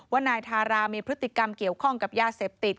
ว่านายทารามีพฤติกรรมเกี่ยวข้องกับยาเสพติด